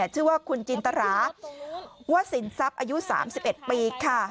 ชื่อว่าคุณจินตราว่าสินทรัพย์อายุ๓๑ปีค่ะ